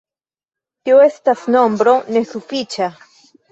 Tio estas nombro nesufiĉa.